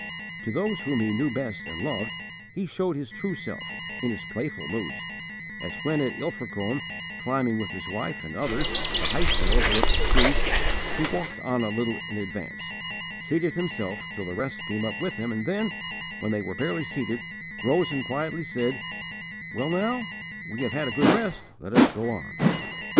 To those whom he best knew and loved he showed his true self, in his playful moods, as when at Ilfracombe, climbing with his wife and others the heights that overlook the sea, he walked on a little in advance, seated himself till the rest came up with him, and then, when they were barely seated, rose and quietly said, "Well now, we have had a good rest, let us go on."